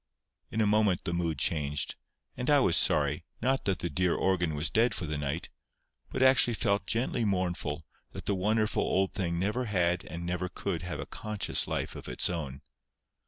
In a moment the mood changed; and I was sorry, not that the dear organ was dead for the night, but actually felt gently mournful that the wonderful old thing never had and never could have a conscious life of its own.